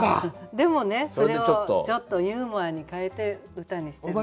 でもねそれをちょっとユーモアに変えて歌にしてると。